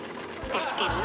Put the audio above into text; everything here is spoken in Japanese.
確かにね。